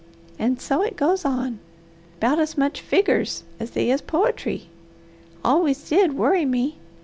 And so it goes on, 'bout as much figgers as they is poetry. Always did worry me.